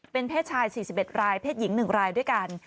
เป็นเพศชาย๔๑รายเพศหญิง๑รายด้วยกัน